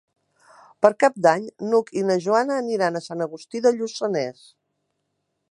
Per Cap d'Any n'Hug i na Joana aniran a Sant Agustí de Lluçanès.